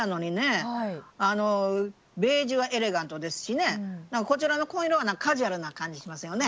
あのベージュはエレガントですしねこちらの紺色はカジュアルな感じしますよね。